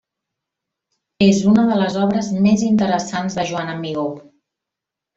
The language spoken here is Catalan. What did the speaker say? És una de les obres més interessants de Joan Amigó.